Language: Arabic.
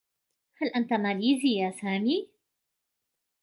هل أنتَ ماليزي يا سامي؟